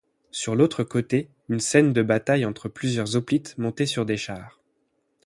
Sur l'autre côté, une scène de bataille entre plusieurs hoplites montés sur des chars.